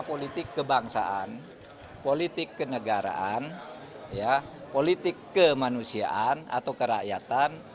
politik kebangsaan politik kenegaraan politik kemanusiaan atau kerakyatan